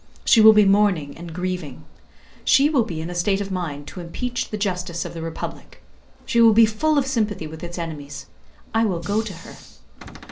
She will be mourning and grieving. She will be in a state of mind to impeach the justice of the Republic. She will be full of sympathy with its enemies. I will go to her."